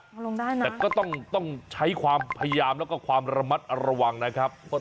เอาลงได้นะแต่ก็ต้องใช้ความพยายามแล้วก็ความระมัดระวังนะครับ